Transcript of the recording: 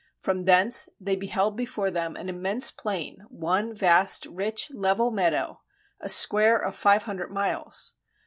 From thence they behold before them an immense plain, one vast, rich, level meadow; a square of five hundred miles.